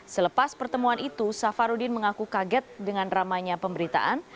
selepas pertemuan itu safarudin mengaku kaget dengan ramainya pemberitaan